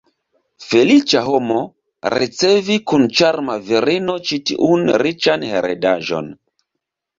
Feliĉa homo, ricevi kun ĉarma virino ĉi tiun riĉan heredaĵon!